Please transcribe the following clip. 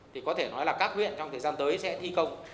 thì có thể nói là các huyện trong thời gian tới sẽ thi công